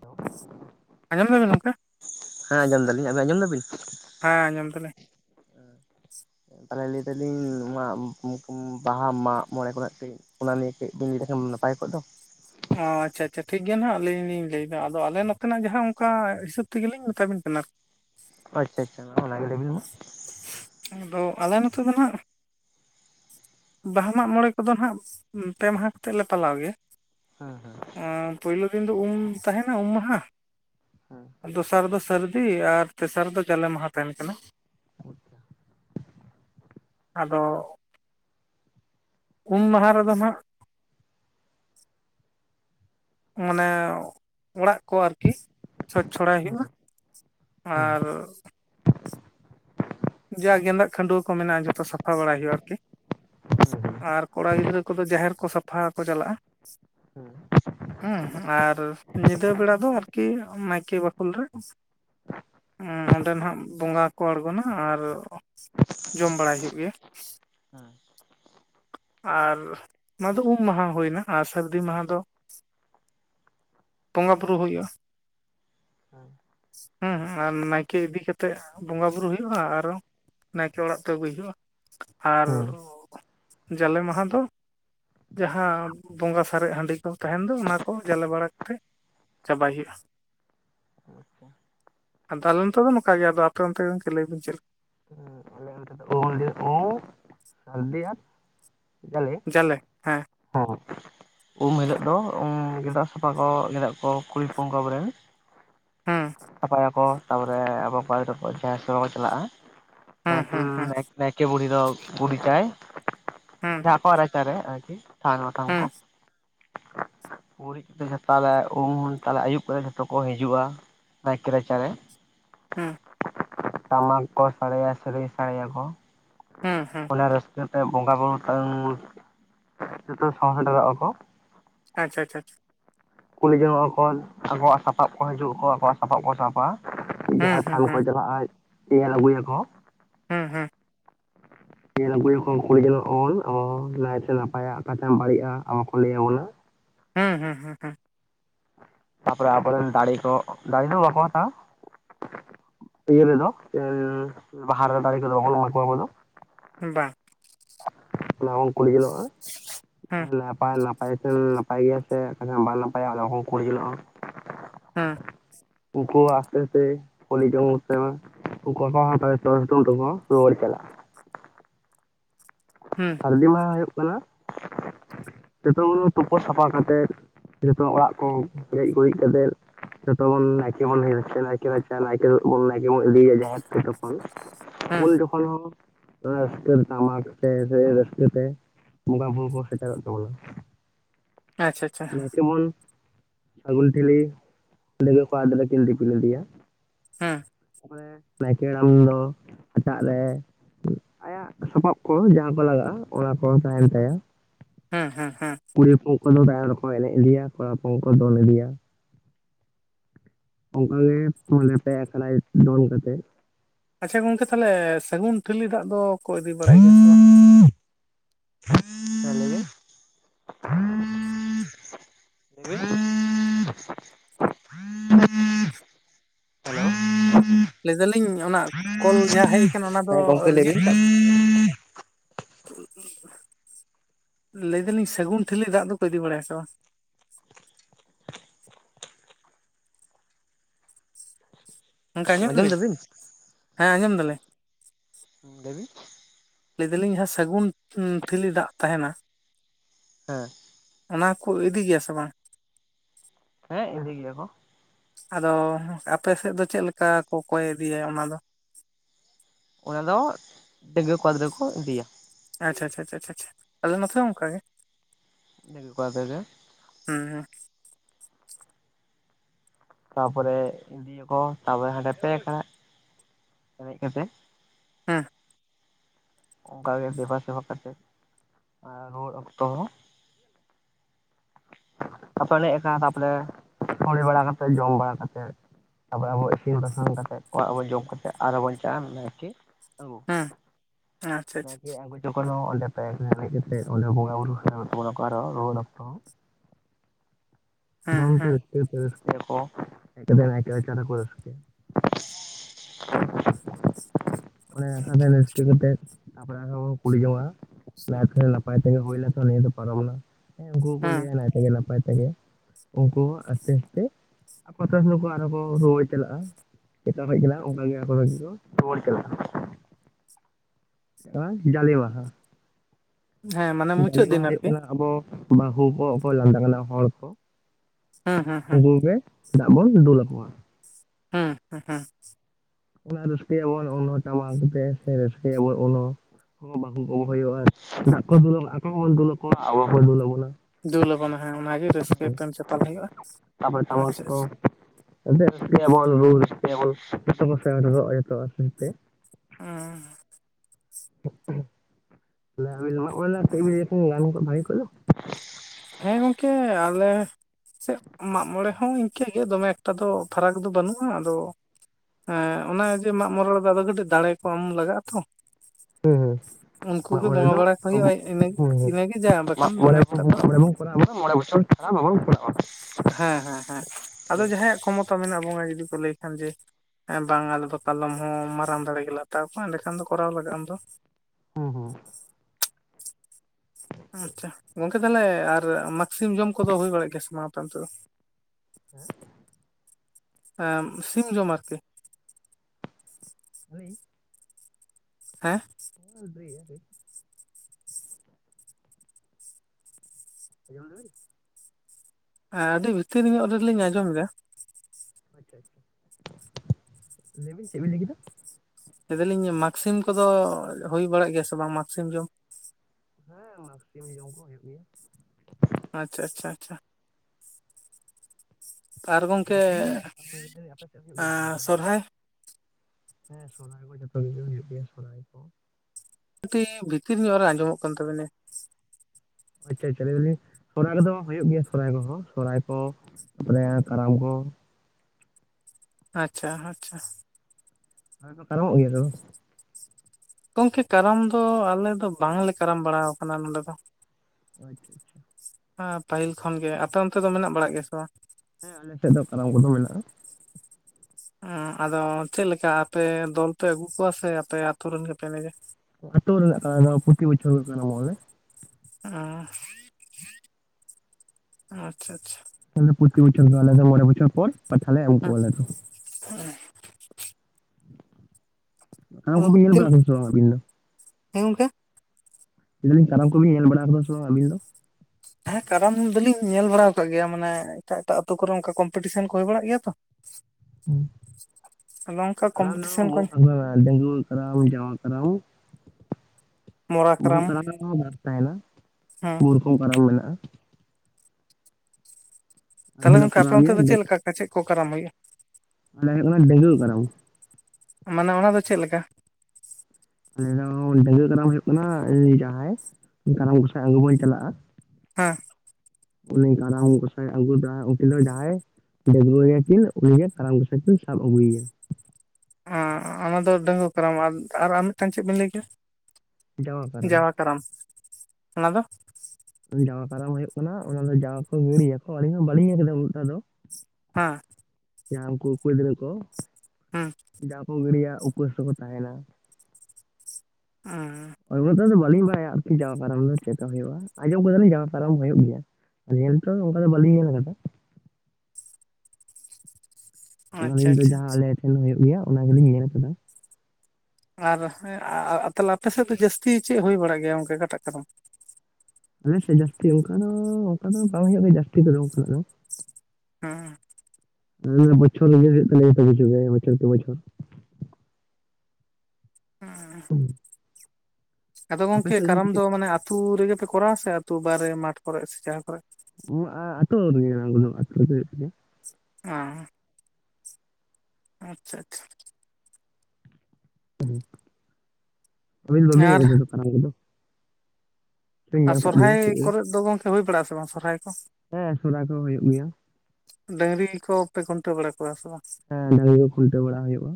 ᱫᱚ [unintelligible] ᱟᱸᱡᱚᱢ ᱫᱟᱵᱤᱱ ᱜᱚᱝᱠᱮ? ᱫᱟᱞᱤᱧ ᱟᱵᱤᱱ ᱟᱸᱡᱚᱢ ᱫᱟᱵᱤᱱ? ᱦᱮᱸ ᱟᱸᱡᱚᱢ ᱫᱟᱞᱤᱧ᱾ ᱛᱟᱦᱞᱮ ᱞᱟᱹᱭ ᱫᱟᱞᱤᱧ ᱱᱚᱣᱟ ᱯᱟᱺ ᱵᱟᱦᱟ ᱢᱟᱜ ᱢᱚᱬᱮ ᱠᱚᱨᱮᱜ ᱠᱟᱹᱡ ᱼᱼ ᱚᱱᱟ ᱱᱤᱭᱮ ᱠᱟᱹᱡ ᱵᱤᱱ ᱞᱟᱹᱭ ᱞᱮᱠᱷᱟᱱ ᱱᱟᱯᱟᱭ ᱠᱚᱜ ᱫᱚ ᱾ ᱚ ᱟᱪᱪᱷᱟ ᱟᱪᱪᱷᱟ ᱴᱷᱤᱠ ᱜᱮᱭᱟ ᱱᱟᱦᱟᱜ ᱟᱹᱞᱤᱧ ᱞᱤᱧ ᱞᱟᱹᱭ ᱫᱟ᱾ ᱟᱫᱚ ᱟᱞᱮ ᱱᱚᱛᱮᱱᱟᱜ ᱡᱟᱦᱟᱸ ᱚᱱᱠᱟ ᱦᱤᱥᱟᱹᱵ ᱛᱮᱜᱮ ᱞᱤᱧ ᱢᱮᱛᱟ ᱵᱤᱱ ᱠᱟᱱᱟ ᱟᱨ ᱟᱪᱪᱷᱟ ᱟᱪᱪᱷᱟ ᱾ ᱚᱱᱟᱜᱮ ᱞᱮᱭ ᱵᱤᱱ ᱢᱟ᱾ ᱟᱫᱚ ᱟᱞᱮ ᱱᱚᱛᱮ ᱫᱚ ᱱᱟᱦᱟᱜᱼᱼ ᱵᱟᱦᱟ ᱢᱟᱜ ᱢᱚᱬᱮᱸ ᱠᱚᱫᱚ ᱱᱟᱦᱟᱜ ᱯᱮ ᱢᱟᱦᱟ ᱠᱟᱛᱮᱫ ᱞᱮ ᱛᱟᱞᱟᱣ ᱜᱮᱭᱟ ᱾ ᱦᱮᱸ ᱦᱮᱸ ᱯᱩᱭᱞᱩ ᱫᱤᱱ ᱫᱚ ᱩᱢ ᱛᱟᱦᱮᱸᱱᱟ ᱩᱢ ᱢᱟᱦᱟ, ᱫᱚᱥᱟᱨ ᱫᱚ ᱥᱟᱹᱨ ᱫᱤ ᱟᱨ ᱛᱮᱥᱟᱨ ᱫᱚ ᱡᱟᱞᱮ ᱢᱟᱦᱟ ᱛᱟᱦᱮᱱᱟ ᱾ ᱜ [unintelligible] ᱟᱫᱚ, ᱩᱢ ᱢᱟᱦᱟ ᱨᱮᱫᱚ ᱱᱟᱦᱟᱜ ᱢᱟᱱᱮ ᱚᱲᱟᱜ ᱠᱚ ᱟᱨᱠᱤ ᱪᱷᱚᱸᱪ ᱪᱷᱚᱲᱟᱭ ᱦᱮᱸ ᱦᱩᱭᱩᱜᱼᱟ ᱦᱮᱸ ᱾ ᱦᱮᱸ ᱦᱮᱸ ᱟᱨ ᱡᱟ ᱜᱮᱸᱫᱟᱜ ᱠᱷᱟᱹᱰᱣᱟᱹ ᱠᱚ ᱢᱮᱱᱟᱜᱼᱟ ᱡᱚᱛᱚ ᱥᱟᱯᱷᱟ ᱵᱟᱲᱟᱭ ᱦᱩᱭᱩᱜᱼᱟ ᱟᱨᱠᱤ ᱾ ᱟᱨ ᱠᱚᱲᱟ ᱜᱤᱫᱽᱨᱟᱹ ᱠᱚᱫᱚ ᱡᱟᱦᱮᱨ ᱠᱚ ᱥᱟᱯᱷᱟ ᱠᱚ ᱪᱟᱞᱟᱜᱼᱟ ᱾ ᱦᱩᱸ ᱟᱨ ᱧᱤᱫᱟᱹ ᱵᱮᱲᱟ ᱫᱚ ᱟᱨᱠᱤ ᱱᱟᱭᱠᱮ ᱵᱟᱠᱷᱳᱞ ᱨᱮᱼᱼ ᱚᱸᱰᱮ ᱱᱟᱦᱟᱜ ᱵᱚᱸᱜᱟ ᱠᱚ ᱟᱬᱜᱚᱱᱟ ᱾ ᱟᱨ ᱡᱚᱢ ᱵᱟᱲᱟᱭ ᱦᱩᱭᱩᱜ ᱜᱮᱭᱟ ᱾ ᱦᱮᱸ ᱟᱨ ᱱᱚᱣᱟ ᱫᱚ ᱩᱢ ᱢᱟᱦᱟ ᱦᱩᱭᱱᱟ ᱟᱨ ᱥᱟᱹᱨᱫᱤ ᱢᱟᱦᱟ ᱫᱚᱼᱼ ᱵᱚᱸᱜᱟ ᱵᱩᱨᱩ ᱦᱩᱭᱩᱜᱼᱟ ᱾ ᱦᱩᱸ ᱦᱩᱸ ᱟᱨ ᱱᱟᱭᱠᱮ ᱤᱫᱤ ᱠᱟᱛᱮᱜ ᱵᱚᱸᱜᱟ ᱵᱩᱨᱩ ᱦᱩᱭᱩᱜᱼᱟ ᱟᱨᱚᱼᱼ ᱱᱟᱭᱠᱮ ᱚᱲᱟᱜ ᱛᱮ ᱟᱹᱜᱩᱭ ᱮᱦᱩᱭᱩᱜᱼᱟ ᱟᱨ ᱦᱮᱸ ᱦᱮᱸ ᱡᱟᱞᱮ ᱢᱟᱦᱟ ᱫᱚᱼᱼ ᱡᱟᱦᱟᱸ ᱵᱚᱸᱜᱟ ᱥᱟᱨᱮᱡ ᱦᱟᱸᱹᱰᱤ ᱠᱚ ᱛᱟᱦᱮᱱ ᱫᱚ ᱚᱱᱟ ᱠᱚ ᱡᱟᱞᱮ ᱵᱟᱲᱟ ᱛᱮ ᱪᱟᱵᱟᱭ ᱦᱩᱭᱩᱜᱼᱟ᱾ ᱦᱮᱸ ᱟᱪᱪᱷᱟ ᱟᱫᱚ ᱟᱞᱮ ᱱᱚᱛᱮ ᱫᱚ ᱱᱚᱝᱠᱟ ᱜᱮ, ᱟᱯᱮ ᱚᱱᱛᱮ [unintelligible] ᱞᱟᱹᱭ ᱵᱤᱱ ᱪᱮᱫ ᱞᱮᱠᱟ? ᱦᱮᱸ ᱟᱞᱮ ᱳᱱᱛᱮ ᱫᱚ [unintelligible] ᱩᱸ ᱥᱟᱹᱨᱫᱤ ᱟᱨ ᱡᱟᱞᱮ ᱾ ᱡᱟᱞᱮ ᱦᱮᱸ ᱦᱚᱸ ᱩᱢ ᱦᱤᱞᱳᱜ ᱫᱚ ᱜᱮᱸᱫᱟᱜ ᱥᱟᱯᱷᱟ ᱠᱚ ᱜᱮᱫᱟᱜ ᱠᱚ ᱠᱩᱲᱤ ᱦᱚᱯᱚᱝ ᱦᱮᱸ [unintelligible] ᱥᱟᱯᱟᱭ ᱟᱠᱚ ᱛᱟᱯᱚᱨᱮ ᱟᱵᱚ ᱠᱚᱲᱟ ᱡᱟᱦᱟᱸᱭ ᱥᱮ ᱵᱟᱠᱚ ᱪᱟᱞᱟᱜᱼᱟ᱾ ᱱᱟᱭᱠᱮ, ᱦᱮᱸ ᱦᱮᱸ ᱱᱟᱭᱠᱮ ᱵᱩᱲᱦᱤ ᱫᱚ ᱜᱩᱨᱤᱡᱟᱭ ᱾ ᱦᱩᱸ, ᱟᱠᱚᱣᱟᱜ ᱨᱟᱪᱟ ᱨᱮ ᱟᱨᱠᱤ ᱛᱷᱟᱱ ᱵᱟᱛᱷᱟᱱ ᱠᱚ᱾ ᱜᱩᱨᱤᱡ ᱠᱛᱮ ᱡᱚᱛᱮ [unintelligible] ᱩᱢ ᱛᱟᱦᱞᱮ ᱟᱭᱩᱵ ᱠᱟᱛᱮ ᱡᱷᱚᱛᱚ ᱠᱚ ᱦᱤᱡᱩᱜᱼᱟ ᱱᱟᱭᱠᱮ ᱨᱟᱪᱟᱨᱮ᱾ ᱦᱩᱸ, ᱴᱟᱢᱟᱠ ᱠᱚ ᱥᱟᱲᱮᱭᱟ ᱥᱮᱨᱮᱧ ᱥᱟᱲᱮ ᱭᱟᱠᱚ᱾ ᱦᱮᱸ ᱦᱮᱸ ᱚᱱᱟ ᱨᱟᱹᱥᱠᱟᱹ ᱛᱮ ᱵᱚᱸᱜᱟ ᱵᱩᱨᱩ [unintelligible] ᱡᱚᱛᱚ ᱫᱚᱦᱚ ᱥᱮᱴᱮᱨᱚᱜᱼᱟ ᱠᱚ᱾ ᱟᱪᱪᱷᱟ ᱟᱪᱪᱷᱟ ᱟᱪᱪᱷᱟ᱾ ᱠᱩᱞᱤ ᱡᱚᱝᱚᱜ ᱟᱠᱚ ᱟᱠᱚᱣᱟᱜ ᱥᱟᱯᱟᱵ ᱠᱚ ᱦᱤᱡᱩᱜ ᱟᱠᱚ ᱟᱠᱚᱣᱟᱜ ᱥᱟᱯᱟᱵ ᱠᱚ ᱥᱟᱵᱟ᱾ ᱦᱩᱸ ᱡᱟᱦᱮᱨ ᱦᱩᱸ ᱛᱷᱟᱱ ᱠᱚ ᱦᱩᱸ ᱪᱟᱞᱟᱜᱼᱟ ᱧᱮᱞ ᱟᱹᱜᱩᱭᱟᱠᱚ᱾ ᱦᱩᱸ ᱦᱩᱸ, [unintelligible] ᱠᱩᱞᱤ ᱡᱚᱱᱚᱜ ᱟᱵᱚᱱ ᱟᱨ ᱱᱟᱭᱛᱮ ᱱᱟᱯᱟᱭᱟᱜ ᱚᱠᱟ ᱴᱟᱝ ᱵᱟᱹᱲᱤᱡᱼᱟ ᱟᱵᱚ ᱠᱚ ᱞᱟᱹᱭ ᱟᱵᱚᱱᱟ᱾ ᱦᱩᱸ ᱦᱩᱸ ᱦᱩᱸ ᱦᱩᱸ, ᱛᱟᱯᱚᱨᱮ ᱟᱵᱚ ᱨᱮᱱ ᱫᱟᱲᱮ ᱠᱚ ᱫᱟᱲᱮ ᱦᱚᱸ ᱵᱟᱠᱚ ᱦᱟᱛᱟᱣᱟ᱾ ᱤᱭᱟᱹ ᱨᱮᱫᱚ, ᱮᱱ ᱵᱟᱦᱟ ᱨᱮ ᱫᱟᱲᱮ ᱠᱚᱫᱚ ᱵᱟᱵᱚᱱ ᱮᱢᱟ ᱠᱚᱣᱟ ᱟᱵᱚ ᱫᱚ᱾ ᱵᱟᱝ, ᱚᱱᱟ ᱦᱚᱸᱵᱚᱱ ᱠᱩᱞᱤ ᱡᱚᱱᱚᱜᱼᱟ ᱦᱩᱸ ᱱᱟᱯᱟᱭ ᱱᱟᱯᱟᱭ᱾ ᱠᱷᱚᱭ ᱱᱟᱯᱟᱭ ᱜᱮᱭᱟ ᱥᱮ ᱚᱠᱟ ᱴᱷᱮᱱ ᱵᱟᱝ ᱱᱟᱯᱟᱭᱟ ᱚᱱᱟ ᱠᱚ ᱵᱚᱲ ᱠᱩᱞᱤ ᱡᱚᱱᱚᱜᱼᱟ᱾ ᱦᱩᱸ, ᱩᱠᱩ ᱟᱯᱮ ᱥᱮ᱾ ᱠᱩᱞᱤ ᱡᱚᱢ ᱠᱚ ᱩᱱᱠᱟ ᱦᱟᱛᱟᱣ ᱪᱚᱜ-ᱟ ᱧᱩᱛᱩᱢ ᱛᱮᱠᱚ ᱨᱩᱣᱟᱹᱲ ᱪᱟᱞᱟᱜᱼᱟ᱾ ᱦᱩᱸ ᱥᱟᱨᱫᱤ ᱢᱟᱦᱟ ᱦᱩᱭᱩᱜ ᱠᱟᱱᱟ᱾ [inaudible] ᱡᱚᱛᱚ ᱵᱚᱱ ᱛᱩᱯᱩ ᱥᱟᱯᱷᱟ ᱠᱟᱛᱮᱫ ᱡᱚᱛᱚ ᱚᱲᱟᱜ ᱠᱚ ᱜᱮᱡ ᱜᱩᱨᱤᱡ ᱠᱟᱛᱮᱫ, ᱡᱚᱛᱚ ᱵᱚᱱ ᱱᱟᱠᱮ ᱵᱚᱱ ᱨᱤᱠᱟ ᱱᱟᱠᱮ ᱱᱟᱭᱠᱮ ᱵᱚᱱ ᱱᱟᱠᱮ ᱵᱚᱱ ᱤᱫᱤ ᱮᱭᱟ ᱡᱟᱦᱮᱨ ᱛᱮ ᱛᱚᱠᱷᱚᱱ᱾ ᱦᱩᱸ ᱩᱱ ᱡᱚᱠᱷᱚᱱ ᱦᱚᱸ ᱨᱟᱹᱥᱠᱟᱹᱢ ᱛᱟᱢᱟᱠ ᱥᱮ ᱥᱮ ᱨᱟᱹᱥᱠᱟᱹ ᱛᱮ ᱵᱚᱸᱜᱟ ᱵᱩᱨᱩ ᱠᱚ ᱥᱮᱴᱮᱨᱚᱜ ᱛᱟᱵᱚᱱᱟ᱾ ᱟᱪᱪᱷᱟ, ᱟᱪᱪᱷᱟ ᱱᱟᱛᱮ ᱵᱚᱱ ᱥᱟᱜᱩᱱ ᱴᱷᱮᱞᱤ ᱫᱟᱹᱝᱣᱟᱹ ᱠᱚᱲᱟ ᱜᱮᱫᱽᱨᱟᱹ ᱠᱤᱱ ᱯᱤᱯᱤᱞ ᱟᱫᱮᱭᱟ᱾ ᱦᱮᱸ, ᱢᱟᱱᱮ, ᱱᱟᱭᱠᱮ ᱦᱟᱲᱟᱢ ᱫᱚ ᱦᱟᱴᱟᱜ ᱨᱮ ᱟᱭᱟᱜ ᱥᱟᱯᱟᱵ ᱠᱚ ᱡᱟᱦᱟᱸ ᱠᱚ ᱞᱟᱜᱟᱜᱼᱟ ᱚᱱᱟ ᱠᱚᱦᱚᱸ ᱛᱟᱦᱮᱱ ᱛᱟᱭᱟ᱾ ᱦᱮᱸ ᱦᱩᱮᱸ ᱦᱮᱸ᱾ ᱠᱩᱲᱤ ᱦᱚᱯᱚᱱ ᱠᱚᱫᱚ ᱰᱟᱦᱟᱨ ᱦᱚᱸᱠᱚ ᱮᱱᱮᱢ ᱤᱫᱤᱭᱟ ᱠᱚᱲᱟ ᱦᱚᱯᱚᱝ ᱠᱚ ᱫᱚᱱ ᱤᱫᱤᱭᱟ᱾ ᱚᱝᱠᱟ ᱜᱮ ᱢᱚᱞᱮ ᱯᱮ ᱟᱠᱷᱲᱟᱭ ᱫᱚᱱ ᱠᱟᱛᱮᱜ᱾ ᱟᱪᱪᱷᱟ ᱜᱚᱝᱠᱮ ᱛᱟᱦᱚᱞᱮ ᱥᱟᱹᱜᱩᱱ ᱴᱷᱤᱞᱤ ᱫᱟᱜ ᱫᱚ ᱠᱚ ᱤᱫᱤ ᱵᱟᱲᱟᱭ ᱜᱮᱭᱟ ᱥᱮ ᱵᱟᱝ? ᱦᱮᱸ ᱞᱟᱹᱭ ᱵᱮᱱ, ᱞᱟᱹᱭ ᱵᱤᱱ᱾ [unintelligible] ᱦᱮᱞᱳ ᱞᱟᱹᱭ ᱫᱟᱞᱤᱧ ᱚᱱᱟ ᱠᱚᱞ ᱡᱟᱦᱟᱸ ᱦᱮᱡ ᱠᱟᱱᱟ ᱚᱱᱟ ᱫᱚ ᱦᱮᱸ ᱜᱚᱢᱠᱮ ᱞᱟᱹᱭ ᱨᱤᱡᱮᱠᱴ ᱠᱟᱜ ᱵᱤᱱ᱾ [inaudible] ᱞᱟᱹᱭ ᱫᱟᱞᱤᱧ ᱥᱟᱹᱜᱩᱱ ᱴᱷᱤᱞᱤ ᱫᱟᱜ ᱫᱚᱠᱚ ᱤᱫᱤ ᱵᱟᱲᱟᱭᱟ ᱥᱮ ᱵᱟᱝ? ᱜᱚᱢᱠᱮ ᱟᱸᱡᱚᱢ ᱫᱟᱵᱤᱱ, ᱦᱮᱸ ᱟᱸᱡᱚᱢ ᱫᱟᱞᱮ᱾ ᱦᱩᱸ ᱞᱟᱹᱭᱵᱤᱱ, ᱞᱟᱹᱭ ᱫᱟᱞᱤᱧ ᱡᱟᱦᱟᱸ ᱥᱟᱹᱜᱩᱱ, ᱴᱷᱤᱞᱤ ᱫᱟᱜ ᱛᱟᱦᱮᱱᱟ᱾ ᱦᱮᱸ, ᱚᱱᱟ ᱠᱚ ᱤᱫᱤ ᱜᱮᱭᱟ ᱥᱮ ᱵᱟᱝ? ᱦᱮᱸ, ᱤᱸᱫᱤ ᱜᱮᱭᱟ ᱠᱚ᱾ ᱟᱫᱚ ᱟᱯᱮ ᱥᱮᱫ ᱫᱚ ᱪᱮᱫ ᱞᱮᱠᱟ ᱠᱚ ᱠᱚᱭ ᱤᱫᱤᱭᱟ ᱚᱱᱟ ᱫᱚ? ᱚᱱᱟ ᱫᱚ, ᱰᱟᱹᱝᱣᱟᱹ ᱠᱚᱲᱟ ᱜᱤᱫᱽᱨᱟᱹ ᱠᱚ ᱤᱫᱤᱭᱟ᱾ ᱟᱪᱪᱷᱟ ᱪᱷᱟ ᱪᱷᱟ ᱪᱷᱟ ᱪᱟᱷᱟ ᱟᱞᱮ ᱱᱚᱛᱮ ᱦᱚᱸ ᱚᱱᱠᱟ ᱜᱮ᱾ ᱰᱟᱹᱝᱣᱟᱹ ᱠᱚᱲᱟ ᱜᱤᱫᱟᱹᱨ ᱜᱮ᱾ ᱦᱩᱸ ᱦᱩᱸ ᱛᱟᱯᱚᱨᱮ ᱤᱫᱤᱭᱟ ᱠᱚ ᱛᱟᱯᱚᱨᱮ ᱦᱟᱸᱰᱮ ᱯᱮ ᱟᱠᱷᱟᱲᱟ ᱮᱱᱮᱡ ᱠᱟᱛᱮᱜ ᱦᱮᱸ ᱚᱱᱠᱟᱜ ᱜᱮ ᱫᱮᱵᱟ ᱥᱮᱵᱟ ᱠᱟᱛᱮ ᱟᱨ ᱨᱩᱣᱟᱹᱲ ᱚᱠᱛᱚ ᱦᱚᱸ [unintelligible] ᱟᱵᱟᱨ ᱟᱵᱚ ᱤᱥᱤᱱ ᱵᱟᱥᱟᱝ ᱠᱟᱛᱮᱜ ᱚᱲᱟᱜ ᱨᱮᱵᱱ ᱡᱚᱢ ᱠᱟᱛᱮᱜ ᱟᱨᱚ ᱵᱚᱱ ᱪᱟᱜ-ᱟ ᱱᱟᱭᱠᱮ ᱟᱜᱩ᱾ ᱦᱮᱸ ᱱᱟᱭᱠᱮ ᱟᱸᱜᱩ ᱡᱚᱠᱷᱚᱱ ᱦᱚᱸ ᱚᱰᱮ ᱯᱮ ᱟᱠᱷᱟᱲᱟ ᱮᱱᱮᱢ ᱠᱟᱛᱮ ᱚᱰᱮ ᱦᱚᱸ ᱵᱚᱸᱜᱟ ᱵᱩᱨᱩ ᱛᱚᱨᱟᱭ ᱛᱟᱵᱚᱱᱟ ᱨᱩᱣᱟᱹᱲ ᱚᱠᱛᱚ ᱦᱚᱸ᱾ [unintelligible] [unintelligible] [unintelligible] ᱠᱩᱞᱤ ᱦᱩᱸ ᱦᱩᱸ ᱡᱚᱧᱟᱜ ᱼ ᱟ᱾ ᱱᱟᱭ ᱛᱮᱦᱚᱸ ᱱᱟᱯᱟᱭ ᱛᱮᱜᱮ ᱦᱩᱭᱞ ᱠᱷᱟᱱ ᱱᱤᱭᱟ ᱫᱚ ᱯᱟᱨᱚᱢ ᱱᱟ᱾ᱦᱮᱸ ᱩᱱᱠᱩ ᱦᱚᱠᱚᱸ ᱦᱩᱸ ᱞᱟᱹᱭ-ᱟ ᱱᱟᱭ ᱛᱮ ᱱᱟᱯᱟᱭ ᱛᱮᱜᱮ᱾ ᱩᱱᱠᱩ ᱦᱚᱸ ᱟᱥᱛᱮ ᱟᱥᱛᱮ ᱟᱠᱚᱥᱮᱱ ᱟᱨᱦᱚᱸ ᱠᱚ ᱨᱩᱣᱟᱹᱲ ᱪᱟᱞᱟᱜ-ᱟ᱾ [unintelligible] ᱪᱮᱫ ᱡᱟᱞᱮ ᱵᱟᱦᱟ ᱦᱮᱸ ᱢᱟᱱᱮ ᱡᱟᱞᱮ ᱢᱩᱪᱟᱹᱫ ᱫᱤᱱ ᱢᱟᱦᱟ ᱦᱩᱭᱩᱜ ᱟᱨᱠᱤ ᱠᱟᱱᱟ ᱟᱵᱚ ᱵᱟᱦᱩ ᱠᱚ ᱚᱯᱚᱭ ᱞᱟᱸᱫᱟ ᱜᱟᱱᱚᱜ ᱦᱚᱲ ᱠᱚ ᱦᱩᱸ ᱦᱩᱸ ᱦᱩᱸ ᱩᱱᱚᱩ ᱠᱚ ᱜᱮ ᱫᱟᱜ ᱵᱚᱱ ᱫᱩᱞ‌ ᱟᱠᱚᱣᱟ᱾ ᱦᱩᱸ, ᱦᱩᱸ ᱦᱩᱸ [unintelligible] ᱚᱠᱚᱭ ᱠᱚ ᱵᱟᱦᱩ ᱠᱚᱠᱚ ᱦᱳᱭᱳᱜ-ᱟ ᱫᱟᱜᱽ ᱠᱚ ᱫᱩᱞ ᱟᱠᱚ ᱦᱚᱵᱚᱱ ᱫᱩᱞ ᱟᱠᱣᱟ ᱟᱵᱚ ᱦᱚᱸ ᱠᱚ ᱫᱩᱞᱟᱵᱚᱱᱟ᱾ ᱫᱩᱞᱟ ᱟᱵᱚᱱᱟ ᱦᱮᱸ ᱚᱱᱟᱜᱮ ᱨᱟᱹᱥᱠᱟᱹ ᱮᱯᱮᱢ ᱪᱟᱯᱟᱞ ᱦᱩᱭᱩᱜ-ᱟ ᱛᱟᱯᱚᱨᱮ ᱴᱟᱢᱟᱠ ᱟᱪᱪᱷᱟ ᱟᱪᱪᱷ [unintelligible] [unintelligible] [unintelligible] ᱦᱮᱸ ᱜᱚᱝᱠᱮ ᱟᱞᱮ ᱥᱮᱜ ᱢᱟᱜ ᱢᱚᱬᱮᱸ ᱦᱚᱸ ᱤᱱᱠᱟᱹᱜᱮ ᱫᱚᱢᱮ ᱮᱠᱴᱟ ᱫᱚ ᱯᱷᱟᱨᱟᱠ ᱫᱚ ᱵᱟᱹᱱᱩᱜ-ᱟ ᱟᱫᱚ ᱮᱸ ᱚᱱᱟ ᱡᱮ ᱢᱟᱜ ᱢᱚᱲᱮ ᱨᱮᱫᱚ ᱟᱫᱚ ᱠᱟᱹᱴᱤᱡ ᱫᱟᱲᱮ ᱠᱚ ᱟᱢ ᱞᱟᱜᱟᱜ ᱟᱛᱚ ᱵᱚᱸᱜᱟ ᱵᱟᱲᱟ ᱠᱚ ᱦᱩᱭᱩᱜᱼᱟ ᱤᱱᱟᱹᱜᱮ ᱤᱱᱟᱹᱜᱮ [unintelligible] ᱡᱟ ᱵᱟᱠᱷᱟᱱ ᱫᱚᱢᱮ ᱮᱠᱴᱟ ᱫᱚ [unintelligible] ᱦᱮᱸ ᱦᱮᱸ ᱦᱮᱸ ᱟᱫᱚ ᱦᱮᱸ ᱡᱟᱦᱟᱸᱭᱟᱜ ᱠᱷᱚᱢᱚᱛᱟ ᱢᱮᱱᱟᱜ ᱵᱚᱸᱜᱟ ᱡᱩᱫᱤ ᱠᱚ ᱞᱟᱹᱭ ᱠᱷᱟᱱ ᱡᱮ ᱦᱮᱸ ᱵᱟᱝ ᱟᱞᱮ ᱫᱚ ᱠᱟᱞᱚᱢ ᱦᱚᱸ ᱢᱟᱨᱟᱝ ᱫᱟᱲᱮ ᱜᱮᱞᱮ ᱦᱟᱛᱟᱣ ᱠᱚᱣᱟ ᱮᱸᱰᱮᱠᱷᱟᱱ ᱫᱚ ᱠᱚᱨᱟᱣ ᱞᱟᱜᱟᱜ-ᱟ ᱩᱱ ᱫᱚ᱾ ᱦᱩᱸ ᱦᱩᱸ ᱟᱪᱪᱷᱟ ᱜᱚᱝᱠᱮ ᱛᱟᱦᱚᱞᱮ ᱟᱨ ᱢᱟᱠᱥᱤᱢ ᱡᱚᱢ ᱠᱚᱫᱚ ᱦᱳᱭ ᱵᱟᱲᱟᱜ ᱜᱮᱭᱟ ᱟᱯᱮ ᱚᱱᱛᱮ ᱫᱚ? ᱦᱮᱸ ᱮ ᱥᱤᱢ ᱡᱚᱢ ᱟᱨᱠᱤ [inaudible] ᱦᱮᱸ [inaudible] [inaudible] ᱟᱹᱰᱤ ᱵᱷᱤᱛᱤᱨ ᱧᱚᱜ ᱨᱮᱞᱤᱧ ᱟᱸᱡᱚᱢ ᱫᱟ᱾ ᱟᱪᱪᱷᱟ ᱟᱪᱪᱷᱟ ᱞᱟᱹᱭᱵᱤᱱ ᱪᱮᱫ ᱵᱤᱱ ᱞᱟᱹᱭ ᱠᱮᱫᱟ? ᱞᱟᱹᱭ ᱫᱟᱞᱤᱧ ᱢᱟᱜᱽᱥᱤᱢ ᱠᱚᱫᱚ ᱦᱳᱭ ᱵᱟᱲᱟᱜ ᱜᱮᱭᱟ ᱥᱮ ᱵᱟᱝ ᱢᱟᱜᱽᱥᱤᱢ ᱡᱚᱢ? ᱦᱮᱸ ᱢᱟᱜᱽᱥᱤᱢ ᱡᱚᱢ ᱠᱚ ᱦᱳᱭᱳᱜ ᱜᱮᱭᱟ᱾ ᱟᱪᱪᱷᱟ ᱟᱪᱪᱷᱟ ᱟᱪᱪᱷᱟ ᱟᱨ ᱜᱚᱝᱠᱮ ᱟᱯᱮ ᱥᱮᱫ ᱦᱩᱭᱩᱜ ᱜᱮᱭᱟ ᱥᱮ ᱵᱟᱝ ᱥᱚᱨᱦᱟᱭ ᱦᱮᱸ ᱥᱚᱦᱚᱨᱟᱭ ᱠᱚ ᱡᱷᱚᱛᱚ ᱜᱮ ᱦᱳᱭᱳᱜ ᱜᱮᱭᱟ ᱥᱚᱦᱚᱨᱟᱭ ᱠᱚ ᱛᱮ ᱵᱷᱤᱛᱤᱨ ᱧᱚᱜ ᱨᱮ ᱟᱸᱡᱚᱢᱚᱜ ᱠᱟᱱ ᱛᱟᱵᱤᱱᱟ ᱟᱪᱪᱷᱟ ᱟᱪᱪᱷᱟ ᱞᱮᱭ ᱫᱟᱞᱤᱧ ᱥᱚᱨᱟᱭ ᱠᱚᱫᱚ ᱦᱩᱭᱩᱜ ᱜᱮᱭᱟ ᱥᱚᱨᱟᱭ ᱠᱚᱦᱚᱸ ᱥᱚᱨᱟᱭ ᱠᱚᱼᱼ ᱯᱚᱨᱮ ᱠᱟᱨᱟᱢ ᱠᱚ ᱟᱪᱪᱷᱟ, ᱟᱪᱪᱷᱟ, ᱠᱟᱨᱟᱢᱚᱜ ᱜᱮᱭᱟ ᱛᱚ? ᱜᱚᱝᱠᱮ ᱠᱟᱨᱟᱢ ᱫᱚ ᱟᱞᱮ ᱫᱚ ᱵᱟᱝᱞᱮ ᱠᱟᱨᱟᱢ ᱵᱟᱲᱟᱣ ᱠᱟᱱᱟ ᱱᱚᱰᱮ ᱫᱚ᱾ [inaudible] ᱟ ᱯᱟᱹᱦᱤᱞ ᱠᱷᱚᱱ ᱜᱮ ᱟᱯᱮ ᱚᱱᱛᱮ ᱫᱚ ᱢᱮᱱᱟᱜ ᱵᱟᱲᱟᱜ ᱜᱮᱭᱟ ᱥᱮ ᱵᱟᱝ? ᱦᱮᱸ ᱟᱞᱮ ᱥᱮᱫ ᱫᱚ ᱠᱟᱨᱟᱢ ᱠᱚᱫᱚ ᱢᱮᱱᱟᱜᱼᱟ ᱮᱸ ᱟᱫᱚ ᱪᱮᱫ ᱞᱮᱠᱟ ᱟᱯᱮ ᱫᱚᱞ ᱯᱮ ᱟᱹᱜᱩ ᱠᱚᱣᱟ ᱥᱮ ᱟᱯᱮ ᱟᱛᱳ ᱨᱮᱱ ᱜᱮᱯᱮ ᱮᱱᱮᱡᱟ? ᱟᱛᱳ ᱨᱮᱱᱟᱜ ᱯᱳᱛᱤ ᱵᱚᱪᱷᱚᱨ ᱦᱩᱭᱩᱜ ᱠᱟᱱᱟ ᱱᱚᱶᱟ ᱜᱮ ᱟᱸ ᱟᱪᱪᱷᱟ ᱟᱪᱪᱷᱟ᱾ [unintelligible] ᱯᱨᱚᱛᱤ ᱵᱚᱪᱷᱚᱨ ᱫᱚ ᱟᱞᱮ ᱫᱚ ᱢᱚᱬᱮ ᱵᱚᱪᱚᱨ ᱯᱚᱨ ᱯᱟᱴᱷᱟ ᱞᱮ ᱮᱢ ᱦᱮᱸ ᱠᱩᱣᱟᱞᱮ ᱾ [unintelligible] ᱠᱟᱨᱟᱢ ᱠᱚ ᱟᱫᱚ ᱵᱤᱱ ᱧᱮᱞ ᱛᱤᱱ ᱵᱟᱲᱟ ᱥᱮ ᱵᱟᱝ ᱟᱵᱤᱱ ᱫᱚ? ᱦᱮᱸ ᱜᱚᱝᱠᱮ ᱞᱟᱹᱭ ᱫᱟᱞᱤᱧ ᱠᱟᱨᱢ ᱠᱚ ᱵᱤᱱ ᱧᱮᱞ ᱵᱟᱲᱟ ᱠᱟᱫᱟ ᱥᱮ ᱵᱟᱝ ᱟᱹᱵᱤᱱ ᱫᱚ᱾ ᱦᱮᱸ ᱠᱟᱨᱟᱢ ᱫᱚ ᱞᱤᱧ ᱧᱮᱞ ᱵᱟᱲᱟᱣ ᱠᱟᱫ ᱜᱮᱭᱟ ᱢᱟᱱᱮ ᱮᱴᱟᱜ ᱮᱴᱟᱜ ᱟᱛᱳ ᱠᱚᱨᱮ ᱚᱱᱠᱟ ᱠᱚᱢᱯᱤᱴᱤᱥᱮᱱ ᱠᱚ ᱦᱩᱭ ᱵᱟᱲᱟᱜ ᱜᱮᱭᱟ ᱛᱚ ᱟᱫᱚ ᱚᱱᱠᱟ [unintelligible] ᱠᱚᱢᱯᱤᱴᱤᱥᱮᱱ ᱠᱚ ᱰᱟᱸᱹᱜᱩᱣᱟᱹ ᱠᱟᱨᱟᱢ ᱡᱟᱣᱟ ᱠᱟᱨᱟᱢ [unintelligible] ᱵᱚᱦᱩ ᱠᱟᱨᱟᱢ ᱨᱮᱱᱟᱜᱼᱦᱚᱸ ᱵᱷᱟᱜᱽ ᱛᱟᱦᱮᱸᱱᱟ᱾ ᱦᱮᱸ ᱵᱩᱦᱩ ᱨᱚᱠᱚᱢ ᱠᱟᱨᱟᱢ ᱢᱮᱱᱟᱜᱼᱟ᱾ ᱟᱞᱮ ᱛᱟᱦᱚᱞᱮ ᱫᱚᱞᱮ ᱜᱚᱢᱠᱮ ᱟᱯᱮ ᱠᱚᱨᱟᱣ ᱚᱱᱛᱮ ᱜᱮᱭᱟ ᱫᱚ ᱪᱮᱫ ᱞᱮᱠᱟ ᱪᱮᱫ ᱠᱚ ᱠᱟᱨᱟᱢ ᱦᱩᱭᱩᱜᱼᱟ? ᱢᱟᱱᱮ ᱦᱩᱭᱩᱜ ᱠᱟᱱᱟ ᱰᱟᱸᱹᱜᱩᱣᱟᱹ ᱠᱟᱨᱟᱢ ᱢᱟᱱᱮ ᱚᱱᱟ ᱫᱚ ᱪᱮᱫ ᱞᱮᱠᱟ? ᱟᱞᱮ ᱫᱚ ᱰᱟᱸᱹᱜᱩᱣᱟᱹ ᱠᱟᱨᱟᱢ ᱦᱩᱭᱩᱜ ᱠᱟᱱᱟ ᱡᱟᱦᱟᱸᱭ ᱠᱟᱨᱟᱢ ᱜᱚᱥᱟᱭ ᱟᱹᱜᱩ ᱵᱚᱱ ᱪᱟᱞᱟᱜᱼᱟ᱾ ᱦᱮᱸ ᱩᱱᱤ ᱠᱟᱨᱟᱢ ᱜᱚᱥᱟᱭ ᱟᱹᱜᱩ [unintelligible] ᱡᱟᱦᱟᱭ ᱰᱟᱹᱵᱽᱨᱟᱹᱣ ᱮᱭᱟ ᱠᱤᱱ ᱩᱱᱤᱜᱮ ᱠᱟᱨᱟᱢ ᱜᱥᱟᱭ ᱠᱤᱱ ᱥᱟᱵ ᱟᱹᱜᱩᱭ ᱭᱟ᱾ ᱚᱱᱟ ᱫᱚ ᱰᱟᱺᱜᱩᱣ ᱠᱟᱨᱟᱢ ᱟᱨ ᱟᱨ ᱢᱤᱫᱴᱟᱝ ᱪᱮᱫ ᱵᱤᱱ ᱞᱟᱹᱭ ᱠᱮᱭᱟ? ᱡᱟᱣᱟ ᱠᱟᱨᱟᱢ ᱚᱱᱟ ᱫᱚ? ᱡᱟᱣᱟ ᱠᱟᱨᱟᱢ ᱦᱩᱭᱩᱜ ᱠᱟᱱᱟ ᱚᱱᱟ ᱫᱚ ᱡᱟᱣᱟ ᱠᱚ ᱜᱤᱲᱤᱭᱟᱠᱚ ᱟᱹᱞᱤᱧ ᱦᱚᱸ ᱵᱟᱹᱞᱤᱧ ᱤᱭᱟᱹ ᱠᱮᱫᱟ ᱩᱱᱟᱹᱴᱟᱜ ᱫᱚ ᱦᱮᱸ ᱡᱟᱦᱟᱸ ᱩᱱᱠᱩ ᱠᱩᱲᱤ ᱜᱤᱫᱽᱨᱟᱹ ᱠᱚ ᱦᱩᱸ ᱡᱟ ᱠᱚ ᱜᱤᱰᱤᱭᱤᱭᱟ ᱩᱯᱟᱹᱥ ᱨᱮᱠᱚ ᱛᱟᱦᱮᱸᱱᱟ᱾ ᱟᱸ ᱩᱱᱟᱹᱜ ᱢᱟᱜ ᱫᱚ ᱵᱟᱹᱞᱤᱧ ᱵᱟᱲᱟᱭᱟ ᱟᱨᱠᱤ ᱡᱟᱣᱟ ᱠᱟᱨᱟᱢ ᱫᱚ ᱪᱮᱫᱮᱠᱟ ᱦᱩᱭᱩᱜᱼᱟ ᱟᱸᱡᱚᱢ ᱠᱟᱫᱟᱞᱤᱧ ᱡᱟᱣᱟ ᱠᱟᱨᱟᱢ ᱦᱩᱭᱩᱜ ᱜᱮᱭᱟ᱾ ᱧᱮᱞ ᱛᱚ ᱚᱱᱠᱟ ᱫᱚ ᱵᱟᱹᱞᱤᱧ ᱧᱮᱞ ᱟᱠᱟᱫᱟ᱾ ᱦᱩᱸ ᱟᱪᱪᱷᱟ ᱟᱹᱞᱤᱧ ᱫᱚ ᱟᱪᱪᱷᱟ ᱡᱟᱦᱟᱸ ᱟᱪᱪᱷᱟ᱾ ᱟᱞᱮᱴᱷᱮᱱ ᱦᱩᱭᱩᱜ ᱜᱮᱭᱟ ᱚᱱᱟᱱᱟ ᱜᱮᱞᱤᱧ ᱧᱮᱞ ᱟᱠᱟᱫᱟ᱾ ᱟᱨ ᱛᱟᱦᱚᱞᱮ ᱟᱯᱮ ᱥᱮᱫ ᱫᱚ ᱡᱟᱹᱥᱛᱤ ᱪᱮᱫ ᱦᱩᱭ ᱵᱟᱲᱟᱜ ᱜᱮᱭᱟ ᱚᱱᱠᱟ ᱚᱠᱟᱴᱟᱜ ᱠᱟᱨᱟᱢ? ᱟᱞᱮ ᱥᱮᱫ ᱡᱟᱹᱥᱛᱤ ᱚᱱᱠᱟ ᱫᱚ ᱚᱱᱠᱟ ᱫᱚ ᱵᱟᱝ ᱦᱳᱭᱳᱜ ᱜᱮᱭᱟ ᱡᱟᱹᱥᱛᱤ ᱠᱚᱫᱚ ᱚᱱᱠᱟᱱᱟᱜ ᱫᱚ᱾ ᱦᱮᱸ ᱵᱪᱷᱚᱨ ᱜᱮ ᱧᱮᱞ ᱦᱳᱭᱳᱜ ᱠᱟᱱᱟ ᱵᱪᱷᱚᱨ ᱠᱤ ᱵᱪᱪᱷᱚᱨ ᱦᱮᱸ ᱟᱫᱚ ᱟᱯᱮ ᱜᱚᱝᱠᱮ ᱥᱮᱫ ᱠᱟᱨᱟᱢ ᱫᱚ ᱪᱮᱫ ᱢᱟᱱᱮ ᱟᱹᱛᱩ ᱨᱮᱜᱮ ᱯᱮ ᱠᱚᱨᱟᱣᱟ ᱥᱮ ᱟᱹᱛᱩ ᱵᱟᱭᱨᱮ ᱢᱟᱴᱷ ᱠᱚᱨᱮ ᱥᱮ ᱡᱟᱦᱟᱸ ᱠᱚᱨᱮ? ᱟᱹᱛᱩ ᱨᱮᱜᱮ ᱚᱱᱟᱠᱚᱫᱚ ᱟᱹᱛᱩ ᱨᱮᱜᱮᱼᱼ ᱟ ᱟᱪᱪᱷᱟ ᱟᱪᱪᱷᱟ ᱟᱹᱵᱤᱱ ᱫᱚ ᱵᱟᱹᱵᱤᱱ ᱟᱨ ᱟᱸᱡᱚᱢ ᱠᱟᱫᱟ ᱠᱟᱨᱟᱢ ᱠᱚᱫᱚ? ᱥᱮᱵᱤᱱ ᱟᱨ ᱧᱮᱞ ᱠᱟᱜ ᱜᱮᱭᱟ ᱥᱚᱨᱦᱟᱭ ᱪᱮᱫ ᱠᱚᱨᱮᱫ ᱫᱚ ᱜᱚᱝᱠᱮ ᱦᱩᱭ ᱵᱟᱲᱟᱜ ᱟ ᱥᱮ ᱵᱟᱝ ᱥᱚᱨᱦᱟᱭ ᱠᱚ? ᱦᱮᱸ ᱥᱚᱨᱦᱟᱭ ᱠᱚ ᱦᱩᱭᱩᱜ ᱜᱮᱭᱟ᱾ ᱰᱟᱹᱝᱨᱤ ᱠᱚᱯᱮ ᱠᱷᱩᱱᱴᱟᱹᱣ ᱵᱟᱲᱟ ᱠᱚᱣᱟ ᱥᱮ ᱵᱟᱝ? ᱦᱮᱸ ᱰᱟᱹᱝᱨᱤ ᱠᱷᱩᱱᱴᱟᱹᱣ ᱵᱟᱲᱟ ᱦᱩᱭᱩᱜᱼᱟ᱾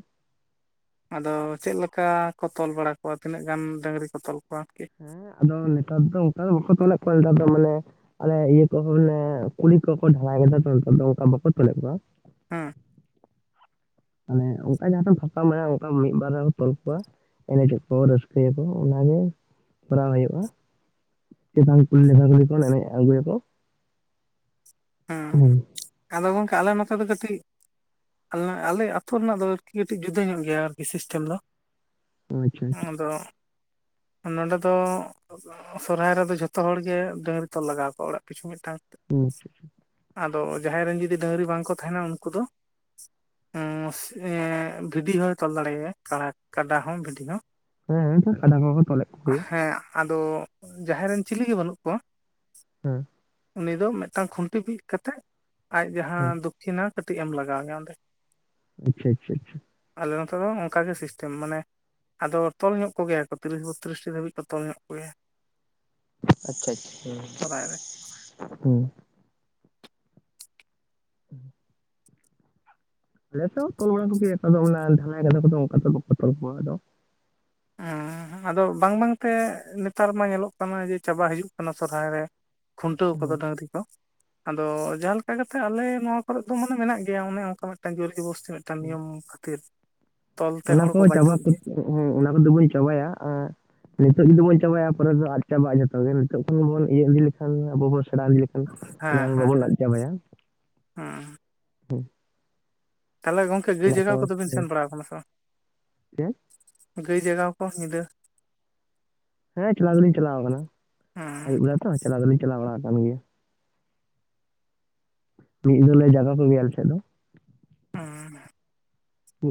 ᱟᱫᱚ ᱪᱮᱫ ᱞᱮᱠᱟ ᱠᱚ ᱛᱚᱞ ᱵᱟᱲᱟ ᱠᱚᱣᱟ ᱛᱤᱱᱟᱹᱜ ᱜᱟᱱ ᱰᱟᱹᱝᱨᱤ ᱠᱚ ᱛᱚᱞ ᱠᱚᱣᱟ ᱟᱨᱠᱤ? ᱦᱮᱸ ᱟᱫᱚ ᱱᱮᱛᱟᱨ ᱫᱚ ᱚᱱᱠᱟ ᱫᱚ ᱵᱟᱠᱚ ᱛᱚᱞᱮᱫ ᱠᱚᱣᱟ ᱱᱮᱛᱟᱨ ᱫᱚ ᱢᱟᱱᱮᱼᱼ ᱟᱞᱮ ᱤᱭᱟᱹ ᱠᱚᱦᱚᱸ ᱢᱟᱱᱮ ᱠᱩᱞᱦᱤ ᱠᱚᱠᱚ ᱰᱷᱟᱞᱟᱭ ᱠᱮᱫᱟ ᱛᱚ ᱱᱮᱛᱟᱨ ᱫᱚ ᱚᱱᱠᱟ ᱵᱟᱠᱚ ᱛᱚᱞᱮᱫ ᱠᱚᱣᱟ᱾ ᱦᱮᱸ᱾ ᱢᱟᱱᱮ ᱚᱱᱠᱟ ᱡᱟᱦᱟᱸᱴᱷᱮᱱ ᱯᱷᱟᱸᱠᱟ ᱢᱮᱱᱟᱜᱼᱟ ᱚᱱᱠᱟ ᱢᱤᱫ ᱵᱟᱨ ᱨᱮᱦᱚᱸ ᱛᱚᱞ ᱠᱚᱣᱟ᱾ ᱮᱱᱮᱡᱚᱜ ᱠᱚ ᱨᱟᱹᱥᱠᱟᱹᱭᱟ ᱠᱚ ᱚᱱᱟᱜᱮ ᱠᱚᱨᱟᱣ ᱦᱩᱭᱩᱜᱼᱟ᱾ [unintelligible] ᱩᱞ ᱞᱮᱠᱷᱷᱟ ᱠ ᱠᱚᱣᱟᱮ ᱟᱜᱩᱭᱭᱟ ᱠᱚ᱾ ᱦᱮᱸ ᱟᱫᱚ ᱜᱚᱝᱠᱮ ᱟᱞᱮ ᱱᱚᱛᱮ ᱫᱚ ᱠᱟᱹᱴᱤᱡᱼᱼ ᱟᱞᱮ ᱟᱹᱛᱩ ᱨᱮᱱᱟᱜ ᱫᱚ ᱟᱨᱠᱤ ᱠᱟᱹᱴᱤᱡ ᱡᱩᱫᱟᱹ ᱧᱚᱜ ᱜᱮᱭᱟ ᱟᱨᱠᱤ ᱥᱤᱥᱴᱮᱢ ᱫᱚ᱾ ᱟᱪᱪᱷᱟ ᱟᱪᱪᱷᱟ ᱟᱫᱚ ᱱᱚᱸᱰᱮ ᱫᱚ᱾ ᱥᱚᱨᱚᱦᱦᱟᱭ ᱨᱮᱫᱚ ᱡᱷᱚᱛᱚ ᱦᱚᱲᱜᱮ ᱰᱟᱹᱝᱨᱤ ᱛᱚᱞ ᱞᱟᱜᱟᱣ ᱟᱠᱚᱣᱟ ᱚᱲᱟᱜ ᱠᱤᱪᱷᱩ ᱢᱤᱫᱴᱟᱝᱼᱼ [unintelligible] ᱟᱫᱚ ᱡᱟᱦᱟᱭ ᱨᱮᱱ ᱡᱩᱫᱤ ᱰᱟᱹᱝᱨᱤ ᱵᱟᱝ ᱠᱚ ᱛᱟᱦᱮᱸᱱᱟ ᱩᱱᱠᱩ ᱫᱚᱼᱼ [unintelligible] ᱵᱷᱤᱰᱤ ᱦᱚᱸᱭ ᱛᱚᱞ ᱫᱟᱲᱮᱭᱟᱭᱟ ᱠᱟᱲᱟ ᱠᱟᱰᱟ ᱦᱚᱸ ᱵᱷᱤᱰᱤ ᱦᱚᱸ, ᱦᱮᱸ ᱦᱮ ᱠᱟᱰᱟ ᱠᱚᱜᱮ ᱛᱚᱞᱮᱫ ᱠᱚᱜᱮᱭᱟ᱾ ᱦᱮᱸ ᱟᱫᱚ ᱡᱟᱦᱟᱭ ᱨᱮᱱ ᱪᱤᱞᱤ ᱜᱮ ᱵᱟᱹᱱᱩᱜ ᱠᱚᱣᱟ, ᱦᱩᱸ ᱩᱱᱤ ᱫᱚ ᱢᱤᱫᱴᱟᱝ ᱠᱷᱩᱱᱴᱤ ᱵᱤᱫ ᱠᱟᱛᱮᱜ ᱟᱡ ᱦᱮᱸ ᱡᱟᱦᱟᱸ ᱫᱚᱠᱠᱷᱤᱱᱟ ᱠᱟᱹᱴᱤᱡ ᱮᱢ ᱞᱟᱜᱟ ᱣᱮᱭᱟ ᱚᱸᱰᱮ᱾ ᱴᱷᱤᱠ ᱴᱷᱤᱠ ᱟᱞᱮ ᱱᱚᱛᱮ ᱫᱚ ᱚᱱᱠᱟᱜᱮ ᱥᱤᱥᱴᱮᱢ ᱢᱟᱱᱮ ᱟᱫᱚ ᱛᱚᱞ ᱧᱚᱜ ᱠᱚᱜᱮᱭᱟ ᱠᱚ ᱛᱤᱨᱤᱥ ᱵᱚᱛᱨᱤᱥᱴᱤ ᱫᱷᱟᱹᱵᱤᱡ ᱠᱚ ᱛᱚᱞ ᱧᱚᱜ ᱠᱚᱜᱮᱭᱟ᱾ ᱟᱪᱪᱷᱟ ᱟᱪᱪᱷᱟ ᱥᱚᱨᱦᱟᱭ ᱨᱮ [unintelligible] ᱦᱩᱸ, ᱞᱮᱪᱚᱝ [unintelligible] ᱚᱱᱟ [unintelligible] ᱚᱱᱠᱟ ᱫᱚ ᱵᱚᱠᱩ ᱛᱚᱞ ᱠᱚᱣᱟ ᱟᱫᱚ᱾ [unintelligible] ᱟᱫᱚ ᱵᱟᱝ ᱵᱟᱝᱛᱮ ᱱᱮᱛᱟᱨ ᱢᱟ ᱧᱮᱞᱚᱜ ᱠᱟᱱᱟ ᱡᱮ ᱪᱟᱵᱟ ᱦᱤᱡᱩᱜ ᱠᱟᱱᱟ ᱥᱚᱨᱦᱟᱭ᱾ ᱠᱷᱩᱱᱴᱟᱹᱣ ᱠᱚᱫᱚ ᱦᱮᱸ ᱰᱟᱹᱝᱨᱤ ᱠᱚ᱾ ᱟᱫᱚ ᱡᱟᱦᱟᱸ ᱞᱮᱠᱟ ᱠᱟᱛᱮᱜ ᱟᱞᱮ ᱱᱚᱣᱟ ᱠᱚᱨᱮ ᱫᱚ ᱢᱟᱱᱮ ᱢᱮᱱᱟᱜ ᱜᱮᱭᱟ ᱚᱱᱮ ᱚᱱᱠᱟ ᱢᱤᱫᱴᱟᱝ ᱡᱳᱚᱨ ᱡᱳᱵᱳᱥᱛᱤ ᱢᱤᱫᱼᱼ ᱴᱟᱝ ᱦᱮᱸ ᱱᱤᱭᱚᱢ ᱠᱷᱟᱹᱛᱤᱨ, ᱛᱚᱞᱛᱮ ᱚᱱᱟ ᱦᱚᱲ ᱠᱚ ᱪᱟᱵᱟᱸ ᱵᱟᱫᱽᱫᱷᱚᱜ ᱠᱚ ᱜᱮᱭᱟ ᱦᱮ ᱚᱱᱟ ᱠᱚᱫᱤ ᱵᱚᱱ ᱪᱟᱵᱟᱭᱟᱼᱼ ᱱᱤᱛᱚᱜ ᱡᱩᱫᱤᱵᱚᱱ ᱪᱟᱵᱟᱭᱟ ᱯᱚᱨᱮᱛᱮᱫᱚ ᱟᱫ ᱪᱟᱵᱟᱜᱼᱟ ᱡᱚᱛᱚ ᱜᱮ ᱱᱤᱛᱚᱜ ᱠᱷᱚᱱ ᱵᱚᱱ ᱤᱭᱟᱹ ᱤᱫᱤ ᱞᱮᱠᱷᱟᱱ ᱟᱵᱚ ᱵᱚᱱ ᱥᱮᱬᱟ ᱞᱮᱠᱷᱟᱱ ᱦᱮᱸ ᱚᱱᱟ ᱦᱮᱸ ᱵᱟᱵᱚᱱ ᱦᱮᱸ ᱟᱫ ᱪᱟᱵᱟᱭᱟ ᱦᱩᱸ ᱛᱟᱞᱦᱮ ᱜᱚᱝᱠᱮ ᱜᱟᱹᱭ ᱚᱱᱟ ᱡᱟᱜᱟᱣ ᱠᱚ ᱠᱚᱫᱚ ᱵᱤᱱ ᱦᱮᱸ ᱥᱮᱱ ᱵᱟᱲᱟ ᱟᱠᱟᱱᱟ ᱥᱮ ᱵᱟᱝ? ᱪᱮᱫ? ᱜᱟᱹᱭ ᱡᱟᱜᱟᱣ ᱠᱚ ᱧᱤᱫᱟᱹ? ᱦᱮᱸ ᱪᱟᱞᱟᱣ ᱫᱚᱞᱤᱧ ᱪᱟᱞᱟᱣ ᱟᱠᱟᱱᱟ ᱦᱩᱸ ᱟᱹᱭᱩᱵ ᱵᱮᱲᱟ ᱛᱚ ᱪᱟᱞᱟᱣ ᱫᱚᱞᱤᱧ ᱪᱟᱞᱟᱣ ᱵᱟᱲᱟ ᱟᱠᱟᱱ ᱜᱮᱭᱟ᱾ ᱢᱤᱫ ᱧᱤᱫᱟᱹ ᱞᱮ ᱡᱟᱜᱟᱣ ᱠᱚᱜᱮᱭᱟ ᱟᱞᱥᱮᱫ ᱫᱚ᱾ ᱦᱩᱸᱻ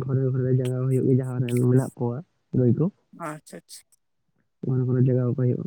ᱜᱷᱚᱨᱮ ᱜᱷᱚᱨᱮ ᱡᱟᱜᱟᱣ ᱦᱩᱭᱩᱜᱼᱟ ᱡᱟᱦᱟᱸᱭ ᱨᱮᱱ ᱢᱮᱱᱟᱜ ᱠᱚᱣᱟ ᱜᱟᱹᱭ ᱠᱚ ᱾ ᱟᱪᱪᱷᱟ ᱟᱪᱪᱷᱟ᱾ ᱵᱷᱚᱨᱮ ᱜᱷᱚᱨᱮ ᱡᱟᱜᱟᱣ ᱠᱚ ᱦᱩᱭᱩᱜᱼᱟ᱾